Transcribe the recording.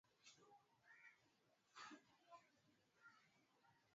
alienajisiwa ni mwanafunzi mwenye umri wa miaka kumi na moja